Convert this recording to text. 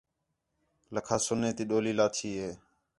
لکھاس سُنّے تی ڈولی لاتھی ہِے